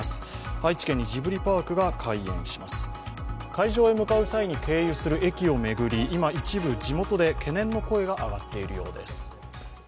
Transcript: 会場へ向かう際に経由する駅を巡り、今一部、地元で懸念の声が上がっているようです。